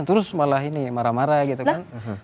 terus malah ini marah marah gitu kan